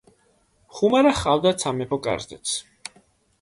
ხუმარა ჰყავდათ სამეფო კარზეც.